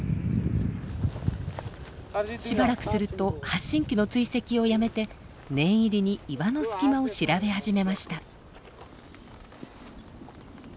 しばらくすると発信器の追跡をやめて念入りに岩の隙間を調べ始めました。